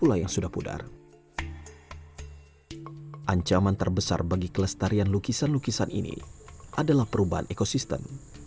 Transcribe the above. ancaman terbesar bagi kelestarian lukisan lukisan ini adalah perubahan ekosistem